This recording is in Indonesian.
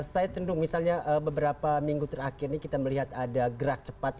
saya cendung misalnya beberapa minggu terakhir ini kita melihat ada gerak cepat